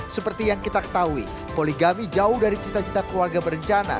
seperti yang kita ketahui poligami jauh dari cita cita keluarga berencana